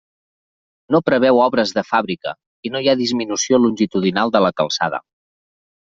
No preveu obres de fàbrica i no hi ha disminució longitudinal de la calçada.